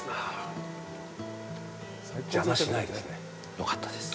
よかったです。